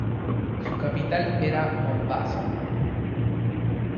Su capital era Mombasa.